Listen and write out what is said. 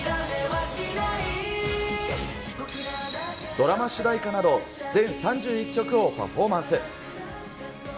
ドラマ主題歌など、全３１曲をパフォーマンス。